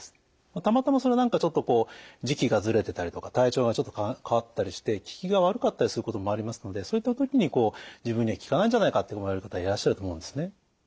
たまたま何かちょっとこう時期がずれてたりとか体調がちょっと変わってたりして効きが悪かったりすることもありますのでそういった時にこう自分には効かないんじゃないかって思われる方いらっしゃると思うんですね。